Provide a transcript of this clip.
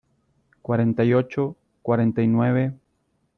cuarenta y ocho, cuarenta y nueve.